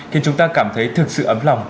khiến chúng ta cảm thấy thực sự ấm lòng